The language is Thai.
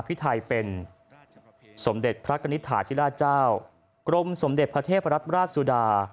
พิไทยเป็นสมเด็จพระกณิตฐาธิราชเจ้ากรมสมเด็จพระเทพรัฐราชสุดา